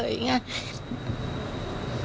อย่างนี้